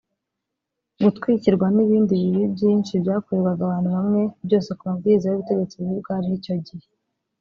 gutwikirwa n’ibindi bibi byinshi byakorerwaga abantu bamwe byose ku mabwiriza y’ubutegetsi bubi bwariho icyo gihe